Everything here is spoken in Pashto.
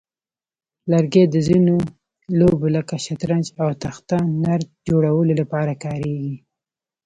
لرګي د ځینو لوبو لکه شطرنج او تخته نرد جوړولو لپاره کارېږي.